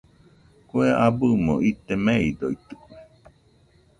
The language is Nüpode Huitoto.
Kue abɨmo ite meidoitɨkue.